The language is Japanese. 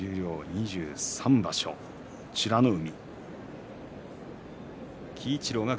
２３場所美ノ海。